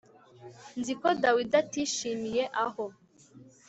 Nzi ko David atishimiye aho